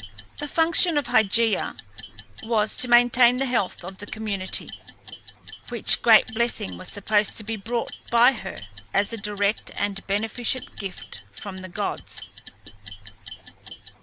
The function of Hygeia was to maintain the health of the community, which great blessing was supposed to be brought by her as a direct and beneficent gift from the gods.